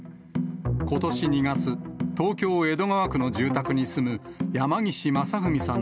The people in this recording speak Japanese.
ことし２月、東京・江戸川区の住宅に住む山岸正文さん